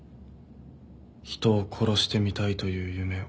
人を殺してみたいという夢を。